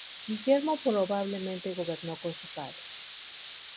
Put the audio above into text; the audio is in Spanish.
Guillermo probablemente gobernó con su padre.